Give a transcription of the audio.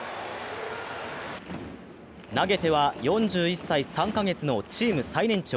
投げては４１歳３カ月のチーム最年長